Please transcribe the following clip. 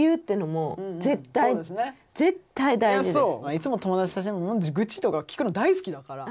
いつも友達と愚痴とか聞くの大好きだから。